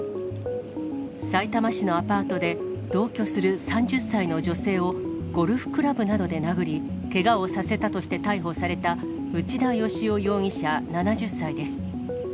さいたま市のアパートで、同居する３０歳の女性をゴルフクラブなどで殴り、けがをさせたとして逮捕された内田芳夫容疑者７０歳です。